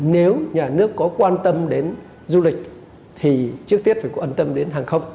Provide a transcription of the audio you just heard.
nếu nhà nước có quan tâm đến du lịch thì trước tiết phải có quan tâm đến hàng không